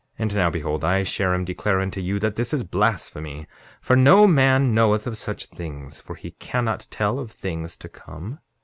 And now behold, I, Sherem, declare unto you that this is blasphemy; for no man knoweth of such things; for he cannot tell of things to come.